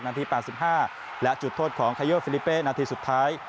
นาทีปลาสิบห้าและจุดโทษของไคโยฟิลิเปนาทีสุดท้าย